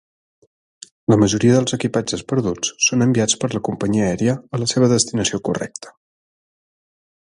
La majoria dels equipatges perduts són enviats per la companyia aèria a la seva destinació correcta.